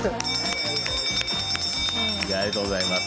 ありがとうございます。